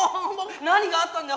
「何があったんだよ！」。